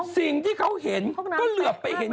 สิ่งที่เขาเห็นก็เหลือไปเห็น